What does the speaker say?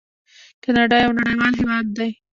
کاناډا یو نړیوال هیواد دی.